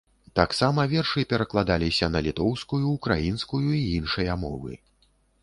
Таксама вершы перакладаліся на літоўскую, украінскую і іншыя мовы.